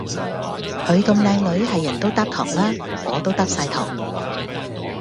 佢咁靚女，係人都嗒糖喇，我都嗒晒糖